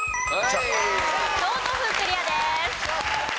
京都府クリアです。